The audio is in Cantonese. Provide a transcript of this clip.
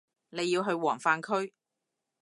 你要去黃泛區